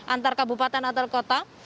antara kabupaten atau kota